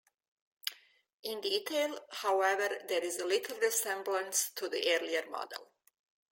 In detail, however, there is little resemblance to the earlier model.